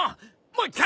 もう一回！